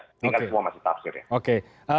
ini kan semua masih tafsir ya